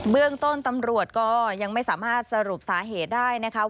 เรื่องต้นตำรวจก็ยังไม่สามารถสรุปสาเหตุได้นะคะ